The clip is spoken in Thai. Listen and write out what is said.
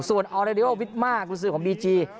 ส่วนออเรดิโอวิทมากุญสือของบีจี